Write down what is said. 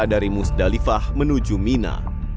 dari musdalifah menuju mina